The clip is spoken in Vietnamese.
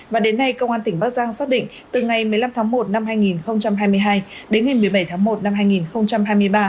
và đến nay công an tỉnh bắc giang xác định từ ngày một mươi năm tháng một năm hai nghìn hai mươi hai đến ngày một mươi bảy tháng một năm hai nghìn hai mươi ba